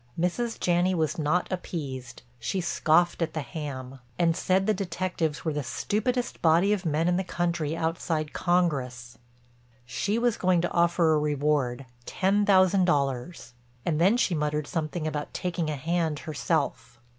Mrs. Janney was not appeased, she scoffed at the ham, and said the detectives were the stupidest body of men in the country outside Congress. She was going to offer a reward, ten thousand dollars—and then she muttered something about "taking a hand herself."